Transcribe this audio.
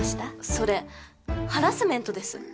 それハラスメントです。